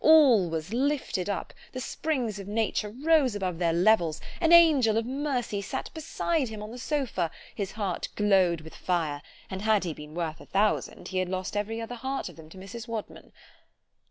—all was lifted up—the springs of nature rose above their levels—an angel of mercy sat besides him on the sopha—his heart glow'd with fire—and had he been worth a thousand, he had lost every heart of them to Mrs. _Wadman.